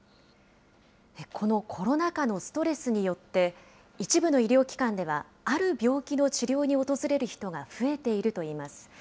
このコロナ禍のストレスによって、一部の医療機関では、ある病気の治療に訪れる人が増えているといいます。